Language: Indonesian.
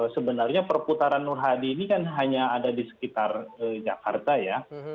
sebenarnya perputaran nur hadi ini kan hanya ada di sekitar jakarta ya